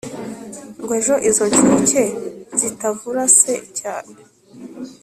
Ngo ejo izo nshuke zitavura se cyane